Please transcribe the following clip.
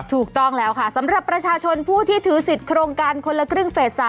ถูกต้องแล้วค่ะสำหรับประชาชนผู้ที่ถือสิทธิ์โครงการคนละครึ่งเฟส๓